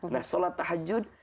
nah suatah hajut